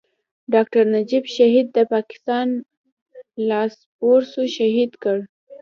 ډاکټر نجيب شهيد د پاکستان لاسپوڅو شهيد کړ.